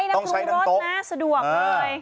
ต้องใช้ตรงรถน่ะสะดวกเลย